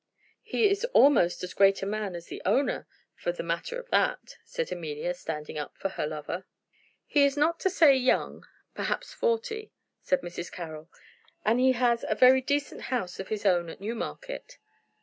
"He is almost as great a man as the owner, for the matter of that," said Amelia, standing up for her lover. "He is not to say young, perhaps forty," said Mrs. Carroll, "and he has a very decent house of his own at Newmarket."